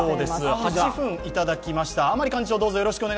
８分いただきました。